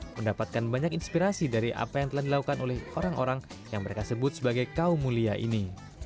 mendapatkan banyak inspirasi dari apa yang telah dilakukan oleh orang orang yang mereka sebut sebagai kaum mulia ini